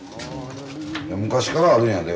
昔からあるんやで。